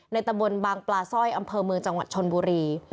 ตะบนบางปลาสร้อยอำเภอเมืองจังหวัดชนบุรี